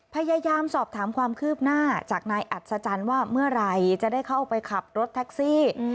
พยายามสอบถามความคืบหน้าจากนายอัศจรรย์ว่าเมื่อไหร่จะได้เข้าไปขับรถแท็กซี่